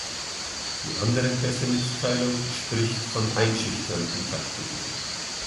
Die andere Pressemitteilung spricht von einschüchternden Taktiken.